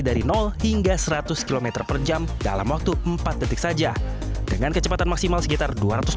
dari hingga seratus km per jam dalam waktu empat detik saja dengan kecepatan maksimal sekitar